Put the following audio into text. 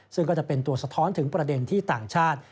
ซึ่งก็จะเป็นตัวสะท้อนถึงประเด็นที่ต่างชาติ